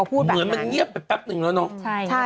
เหมือนมันเงียบไปแป๊บนึงแล้วเนาะ